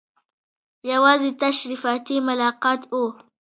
یوازې تشریفاتي ملاقات وو.